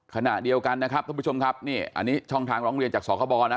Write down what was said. ขณะเดียวกันนะครับท่านผู้ชมครับนี่อันนี้ช่องทางร้องเรียนจากสคบนะ